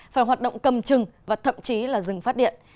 phải hoạt động cầm chừng và thậm chí là dừng phát điện